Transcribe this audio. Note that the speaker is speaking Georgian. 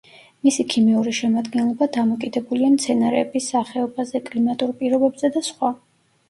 მისი ქიმიური შემადგენლობა დამოკიდებულია მცენარეების სახეობაზე, კლიმატურ პირობებზე და სხვა.